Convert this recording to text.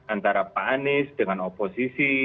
antara pak anies dengan oposisi